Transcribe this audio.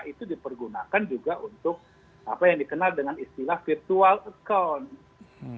itu dipergunakan juga untuk apa yang dikenal dengan istilah virtual account